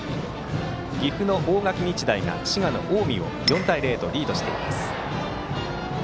岐阜の大垣日大が滋賀の近江を４対０とリードしています。